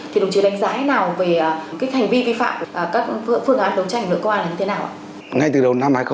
thì đồng chí đánh giá thế nào về hành vi vi phạm của các phương án đấu tranh nội công an như thế nào ạ